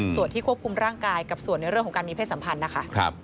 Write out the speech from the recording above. ส่วนที่ควบคุมร่างกายกับส่วนในเรื่องของการมีเพศสัมพันธ์นะคะ